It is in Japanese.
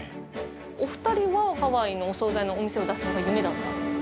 お２人は、ハワイのお総菜のお店を出すのが夢だった？